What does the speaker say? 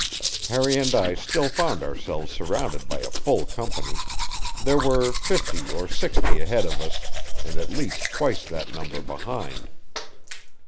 Harry and I still found ourselves surrounded by a full company; there were fifty or sixty ahead of us and at least twice that number behind.